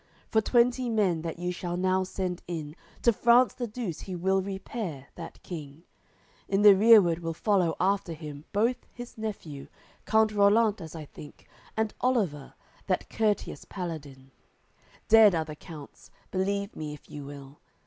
For twenty men that you shall now send in To France the Douce he will repair, that King; In the rereward will follow after him Both his nephew, count Rollant, as I think, And Oliver, that courteous paladin; Dead are the counts, believe me if you will.